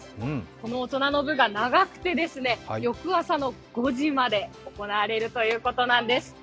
この大人の部が長くて翌朝の５時まで行われるということなんです。